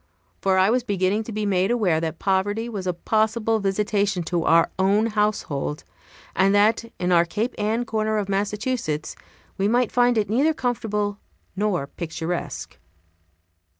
For I was beginning to be made aware that poverty was a possible visitation to our own household; and that, in our Cape Ann corner of Massachusetts, we might find it neither comfortable nor picturesque.